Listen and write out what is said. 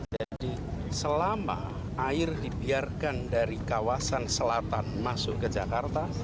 jadi selama air dibiarkan dari kawasan selatan masuk ke jakarta